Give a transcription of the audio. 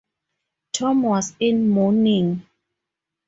Tom was in mourning.